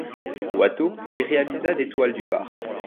Watteau y réalisa des toiles du parc.